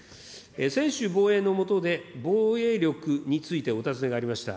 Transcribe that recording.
専守防衛のもとで、防衛力についてお尋ねがありました。